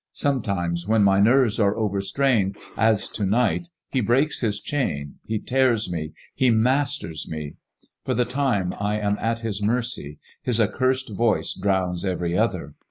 Sometimes, when my nerves are overstrained as to night, he breaks his chain, he tears me, he masters me. For the time I am at his mercy ; his accursed voice drowns every other.